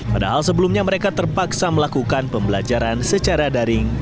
padahal sebelumnya mereka terpaksa melakukan pembelajaran secara daring